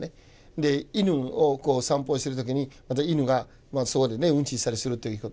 で犬を散歩してる時にまた犬がそこでウンチしたりするということ。